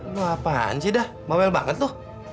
lo apaan sih dah bawel banget lo